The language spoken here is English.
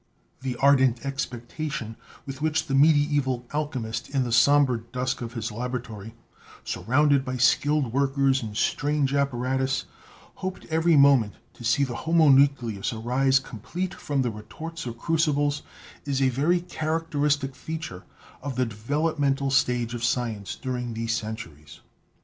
The ardent expectation with which the medieval alchemist in the somber dusk of his laboratory, surrounded by skilled workers and strange apparatus, hoped every moment to see the homunculus arise complete from the retorts or crucibles is a very characteristic feature of the developmental stage of science during these centuries.